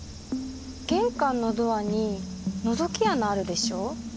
玄関のドアにのぞき穴あるでしょ？